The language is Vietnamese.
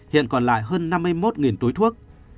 hiện còn lại hơn năm mươi một túi thuốc